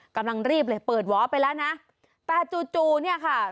กำลังรีบเลยเปิดวอไปแล้วนะแต่จู่จู่เนี่ยค่ะ